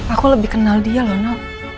aku lebih kenal dia loh no